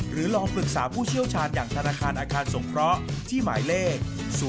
ลองปรึกษาผู้เชี่ยวชาญอย่างธนาคารอาคารสงเคราะห์ที่หมายเลข๐๔